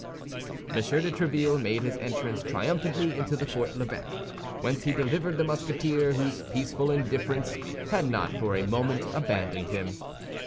M. de Tréville made his entrance triumphantly into the Fort l'Evêque, whence he delivered the Musketeer, whose peaceful indifference had not for a moment abandoned him.